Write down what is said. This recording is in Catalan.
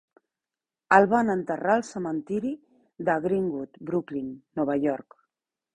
El van enterrar al cementiri de Green-Wood, Brooklyn, Nova York.